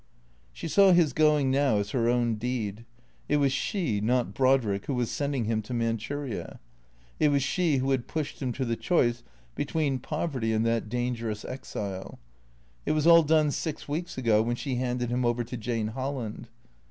She saw his going now as her own deed. It was she, not Brodrick, who was sending him to Manchuria. It was she who had pushed him to the choice between poverty and that danger ous exile. It was all done six weeks ago when she handed him over to Jane Holland.